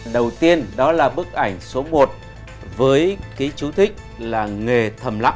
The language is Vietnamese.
đầu tiên đó là bức ảnh số một với ký chú thích là nghề thầm lặng